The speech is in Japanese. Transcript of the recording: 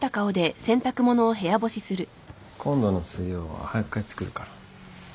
今度の水曜早く帰ってくるから。